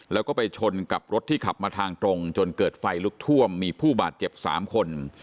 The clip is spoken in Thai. แล้วก็ไปชนกับรถที่ขับมาทางตรงจนเกิดไฟลุกท่วมมีผู้บาดเจ็บ๓คน